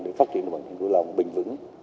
để phát triển đồng bằng hình của lòng bình vững